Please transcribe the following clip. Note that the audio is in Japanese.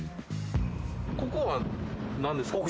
ここは何ですか？